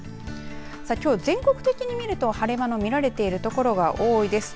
きょうは全国的に見ると晴れ間の見れている所が多いです。